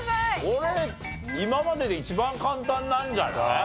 これ今までで一番簡単なんじゃない？